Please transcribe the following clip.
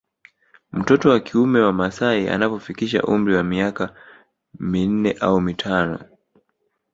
Mtoto wa kiume wa maasai anapofikisha umri wa miaka minne au mitano